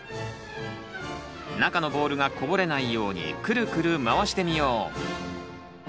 中のボールがこぼれないようにクルクル回してみよう。